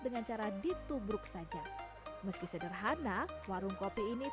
jangan lupa subscribe channel ini